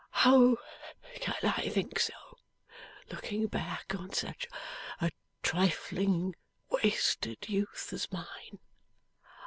How can I think so, looking back on such a trifling wasted youth as mine!